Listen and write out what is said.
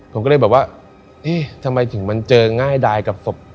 ผมก็เลยบอกว่าเอ๊ะทำไมถึงมันเจอง่ายดายกับศพ